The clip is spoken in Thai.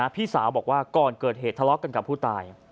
พี่สาวบอกว่าก่อนเกิดเหตุทะเลาะกันกับผู้ตาย